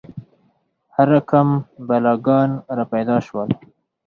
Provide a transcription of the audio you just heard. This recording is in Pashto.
هر رقم بلاګان را پیدا شول.